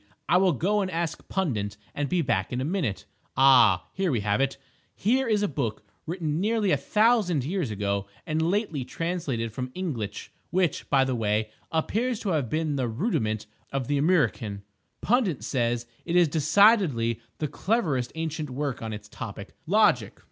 I will go and ask Pundit and be back in a minute.... Ah, here we have it! Here is a book written nearly a thousand years ago and lately translated from the Inglitch—which, by the way, appears to have been the rudiment of the Amriccan. Pundit says it is decidedly the cleverest ancient work on its topic, Logic.